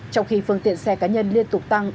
trong khi phương tiện xe cá nhân liên tục tăng